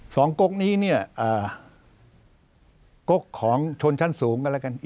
สองกกนี้เนี้ยเอ่อกกของชนชั้นสูงก็แล้วกัน